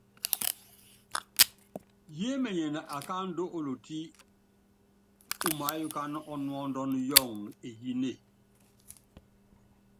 Yeémenyene akáandú olotí umeépílúke yɔŋɔ eyínée.